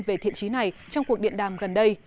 về thiện trí này trong cuộc điện đàm gần đây